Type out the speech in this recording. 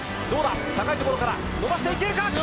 どうだ、高いところから伸ばしていけるか。